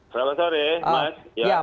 selamat sore mas